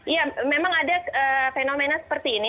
ya memang ada fenomena seperti ini